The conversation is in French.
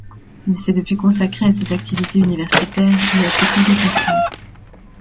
Il s'est depuis consacré à ses activités universitaires et à ses publications.